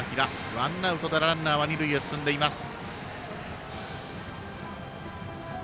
ワンアウトでランナーは二塁へ進んでいます。